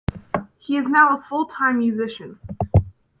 He is now a full-time musician.